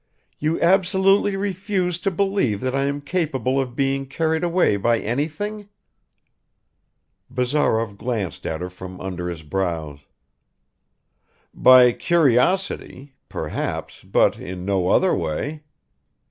"You absolutely refuse to believe that I am capable of being carried away by anything?" Bazarov glanced at her from under his brows. "By curiosity perhaps, but in no other way."